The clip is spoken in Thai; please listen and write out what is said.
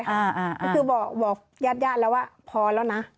ก็คือบอกยาดแล้วว่าพอแล้วนะ